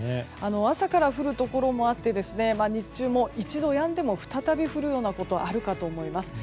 朝から降るところもあって日中も一度やんでも再び降るようなことがあるかもしれません。